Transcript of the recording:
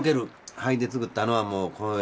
灰で作ったのはもうこの味ですね。